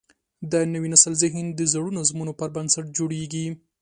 د نوي نسل ذهن د زړو نظمونو پر بنسټ جوړېږي.